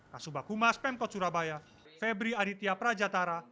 kasubag humas pemkot surabaya febri aditya prajatara